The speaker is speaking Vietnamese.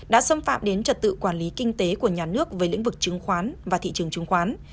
đã xâm phạm đến trật tự quản lý kinh tế của nhà nước về lĩnh vực chứng khoán và thị trường chứng khoán